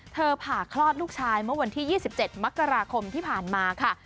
ผ่าคลอดลูกชายเมื่อวันที่๒๗มกราคมที่ผ่านมาค่ะ